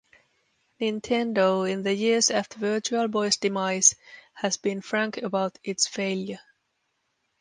Nintendo, in the years after Virtual Boy's demise, has been frank about its failure.